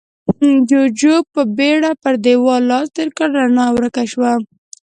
جُوجُو په بيړه پر دېوال لاس تېر کړ، رڼا ورکه شوه.